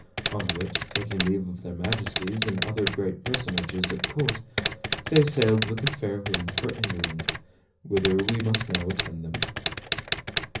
On which, taking leave of their Majesties and other great personages at court, they sailed with a fair wind for England, whither we must now attend them.